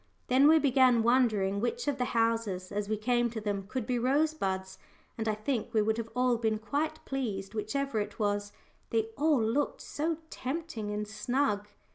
Then we began wondering which of the houses, as we came to them, could be Rosebuds, and I think we would have been quite pleased whichever it was they all looked so tempting and snug.